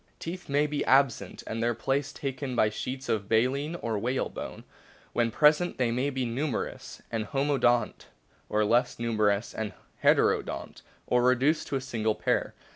Teeth may be absent and their place taken by sheets of baleen or whalebone ; when present they may be very numerous and homo dont, or less numerous and heterodont, or reduced to a single pair.